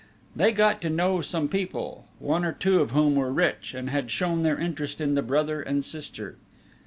They got to know some people, one or two of whom were rich, and had shown their interest in the brother and sister.